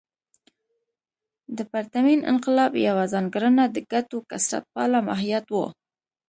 د پرتمین انقلاب یوه ځانګړنه د ګټو کثرت پاله ماهیت و.